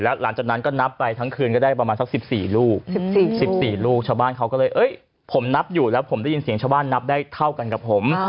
หลังจากนั้นก็นับไปทั้งคืนก็ได้ประมาณสัก๑๔ลูก๑๔ลูกชาวบ้านเขาก็เลยผมนับอยู่แล้วผมได้ยินเสียงชาวบ้านนับได้เท่ากันกับผม